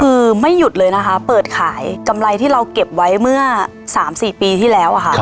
คือไม่หยุดเลยนะคะเปิดขายกำไรที่เราเก็บไว้เมื่อ๓๔ปีที่แล้วอะค่ะ